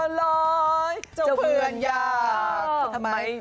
นั่ง